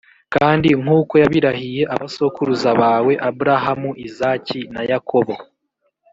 kandi nk’uko yabirahiye abasokuruza bawe: abrahamu, izaki na yakobo.